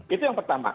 itu yang pertama